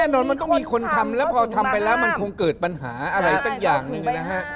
แน่นอนมันต้องมีคนทำแล้วพอทำไปแล้วมันคงเกิดปัญหาอะไรสักอย่างหนึ่งนะฮะ